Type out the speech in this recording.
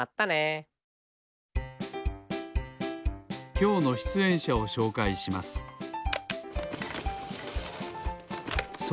きょうのしゅつえんしゃをしょうかいしますパチッ。